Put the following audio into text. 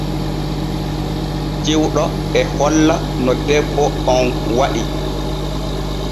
Cewɗo e holla no debbo on wa’i.